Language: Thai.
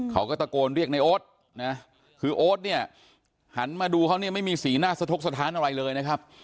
เขาก็ตะโกนเรียกในโอ๊ตนะคือโอ๊ตเนี่ยหันมาดูเขาเนี่ยไม่มีสีหน้าสะทกสถานอะไรเลยนะครับ